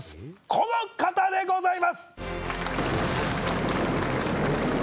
この方でございます